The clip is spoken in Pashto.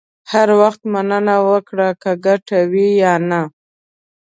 هر وخت مننه وکړه، که ګټه وي یا نه.